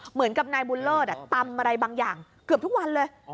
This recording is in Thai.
เหมือนกับนายบุญเลิศตำอะไรบางอย่างเกือบทุกวันเลย